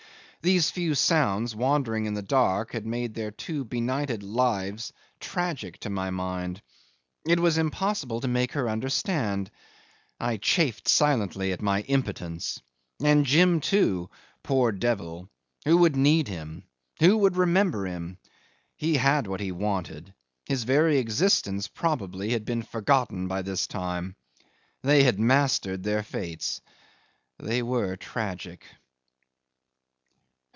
These few sounds wandering in the dark had made their two benighted lives tragic to my mind. It was impossible to make her understand. I chafed silently at my impotence. And Jim, too poor devil! Who would need him? Who would remember him? He had what he wanted. His very existence probably had been forgotten by this time. They had mastered their fates. They were tragic.